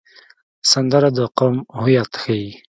سندره د قوم هویت ښيي